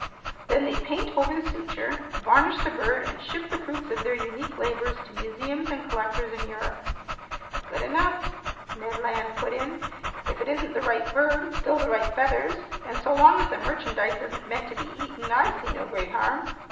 Then they paint over the suture, varnish the bird, and ship the fruits of their unique labors to museums and collectors in Europe." "Good enough!" Ned Land put in. "If it isn't the right bird, it's still the right feathers, and so long as the merchandise isn't meant to be eaten, I see no great harm!"